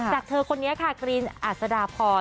จากเธอคนนี้ค่ะกรีนอัศดาพร